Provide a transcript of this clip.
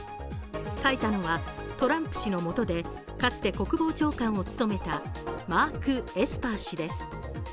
書いたのはトランプ氏のもとでかつて国防長官を務めたマーク・エスパー氏です。